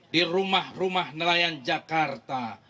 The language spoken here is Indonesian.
di rumah rumah nelayan jakarta